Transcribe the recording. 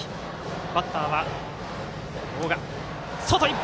バッターは大賀。